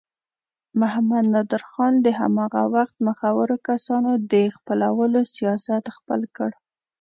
محمد نادر خان د هماغه وخت مخورو کسانو د خپلولو سیاست خپل کړ.